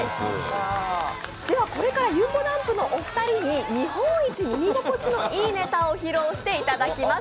では、これからゆんぼだんぷのお二人に日本一耳心地のいいネタを披露していただきます。